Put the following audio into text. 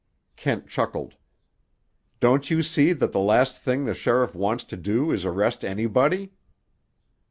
Kent chuckled. "Don't you see that the last thing the sheriff wants to do is arrest anybody?"